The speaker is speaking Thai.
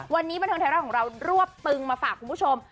วันนี้บันเทิงไทยรัฐของเรารวบตึงมาฝากคุณผู้ชม